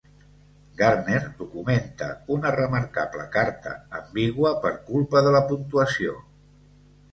Gardner documenta una remarcable carta ambigua per culpa de la puntuació.